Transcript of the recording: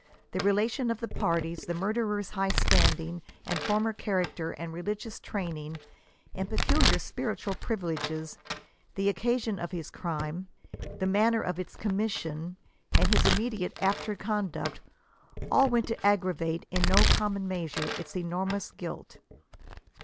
The relation of the parties, the murderer's high standing and former character and religious training and peculiar spiritual privi leges, the occasion of his crime, th« manner of its commission, and his immediate after conduct, all went to aggravate in no common measure its enormous guilt.